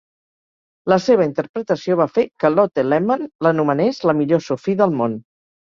La seva interpretació va fer que Lotte Lehmann l'anomenés "la millor Sophie del món".